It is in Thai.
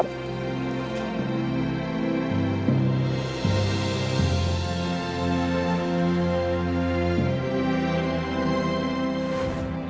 เบอะ